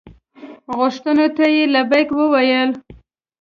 غوښتنو ته یې لبیک وویل.